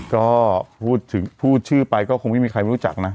ก็พูดชื่อไปเค้ามันไม่มีใครมารู้จะกนะ